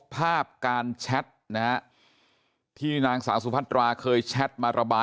แล้วก็ยัดลงถังสีฟ้าขนาด๒๐๐ลิตร